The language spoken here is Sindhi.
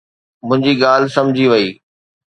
منهنجي ڳالهه سمجهي وئي